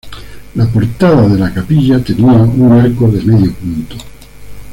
La portada de la capilla tenía un arco de medio punto.